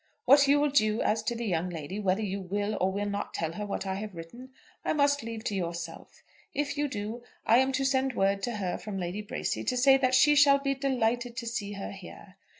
What you will do as to the young lady, whether you will or will not tell her what I have written, I must leave to yourself. If you do, I am to send word to her from Lady Bracy to say that she shall be delighted to see her here.